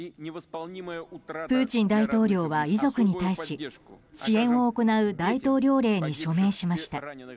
プーチン大統領は遺族に対し支援を行う大統領令に署名しました。